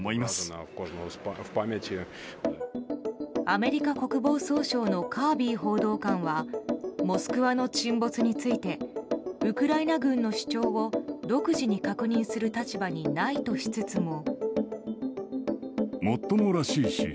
アメリカ国防総省のカービー報道官は「モスクワ」の沈没についてウクライナ軍の主張を独自に確認する立場にないとしつつも。